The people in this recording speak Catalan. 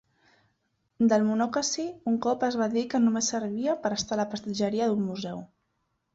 Del "Monocacy" un cop es va dir que "només servia per estar a la prestatgeria d'un museu.